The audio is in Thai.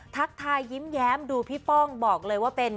ทักทายยิ้มแย้มดูพี่ป้องบอกเลยว่าเป็น